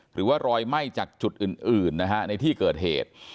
หรือว่ารอยไหม้จากจุดอื่นนะฮะในที่เกิดเหตุ